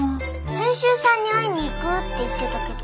編集さんに会いに行くって言ってたけど。